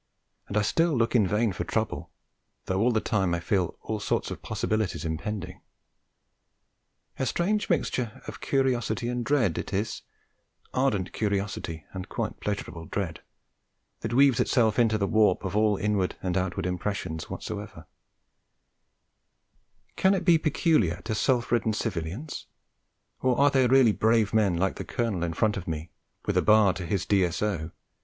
And I still look in vain for trouble, though all the time I feel all sorts of possibilities impending: a strange mixture of curiosity and dread it is ardent curiosity, and quite pleasurable dread that weaves itself into the warp of all inward and outward impressions whatsoever: can it be peculiar to self ridden civilians, or are there really brave men like the Colonel in front of me (with a bar to his D.S.O.)